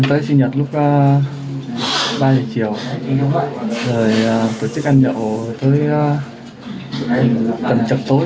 tới sinh nhật lúc ba giờ chiều rồi tổ chức ăn nhậu tới tầm trập tối